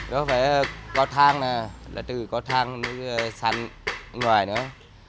nó phải có thang nè là từ có thang đến sàn ngoài nữa